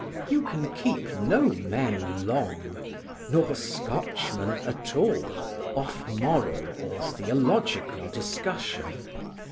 You can keep no men long, nor Scotchmen at all, off moral or theological discussion.